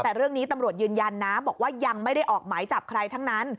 แต่เรื่องนี้ตำรวจยืนยันนะบอกว่ายังไม่ได้ออกหมายจับใครทั้งนั้น